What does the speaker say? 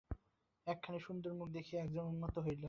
একখানি সুন্দর মুখ দেখিয়া একজন উন্মত্ত হইল।